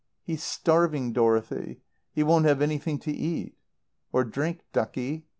"He's starving, Dorothy. He won't have anything to eat." "Or drink, ducky."